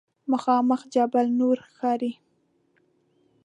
مخامخ جبل نور ښکاري.